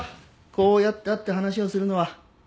こうやって会って話をするのは。